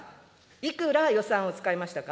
いくら予算を使いましたか。